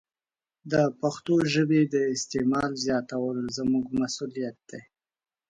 د پښتو ژبې د استعمال زیاتول زموږ مسوولیت دی.